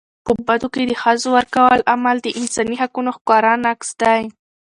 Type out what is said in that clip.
په بدو کي د ښځو ورکولو عمل د انساني حقونو ښکاره نقض دی.